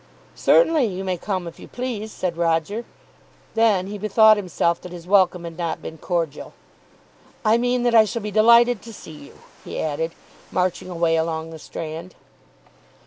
"Certainly you may come if you please," said Roger. Then he bethought himself that his welcome had not been cordial. "I mean that I shall be delighted to see you," he added, marching away along the strand.